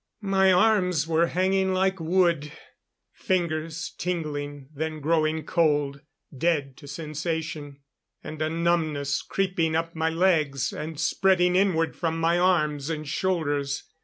My arms were hanging like wood; fingers tingling, then growing cold, dead to sensation. And a numbness creeping up my legs; and spreading inward from my arms and shoulders.